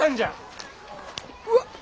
うわっ！